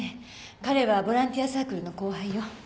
彼はボランティアサークルの後輩よ。